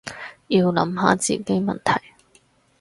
要諗下自己問題